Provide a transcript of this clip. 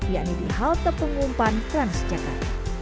yakni di halte pengumpan transjakarta